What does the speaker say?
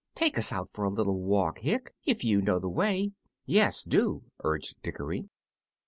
Take us out for a little walk, Hick, if you know the way." "Yes do," urged Dickory.